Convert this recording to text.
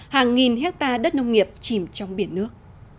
hàng nghìn hectare đất nông nghiệp chìm trong biển nước